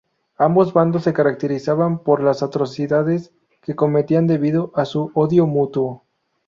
Ambos bandos se caracterizaban por las atrocidades que cometían debido a su odio mutuo.